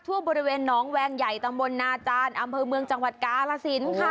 ทั่วบริเวณหนองแวงใหญ่ตำบลนาจารย์อำเภอเมืองจังหวัดกาลสินค่ะ